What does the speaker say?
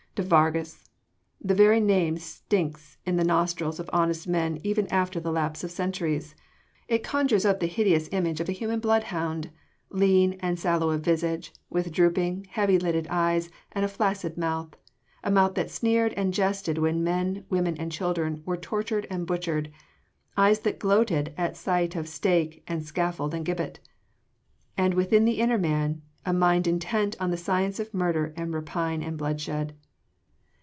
De Vargas! the very name stinks in the nostrils of honest men even after the lapse of centuries! It conjures up the hideous image of a human bloodhound lean and sallow of visage, with drooping, heavy lidded eyes and flaccid mouth, a mouth that sneered and jested when men, women and children were tortured and butchered, eyes that gloated at sight of stake and scaffold and gibbet and within the inner man, a mind intent on the science of murder and rapine and bloodshed.